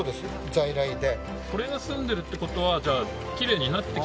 在来で。